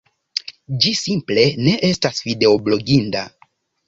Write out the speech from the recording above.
Ĝi simple ne estas videobloginda...